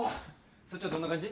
そっちはどんな感じ？